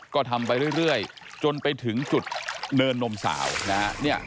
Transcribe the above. ก็ทำไปเรื่อยจนไปถึงจุดเนินนมสาวนะฮะ